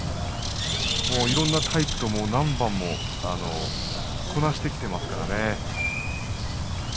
いろんなタイプとも何番もこなしてきていますからね。